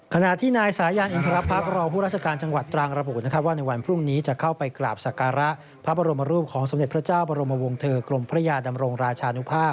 ขณะที่นายสายันอินทรพรรครองผู้ราชการจังหวัดตรังระบุว่าในวันพรุ่งนี้จะเข้าไปกราบศักระพระบรมรูปของสมเด็จพระเจ้าบรมวงเทอร์กรมพระยาดำรงราชานุภาพ